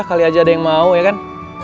lima kali aja ada yang mau ya kan